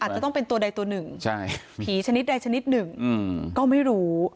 จะต้องเป็นตัวใดตัวหนึ่งผีชนิดใดชนิดหนึ่งก็ไม่รู้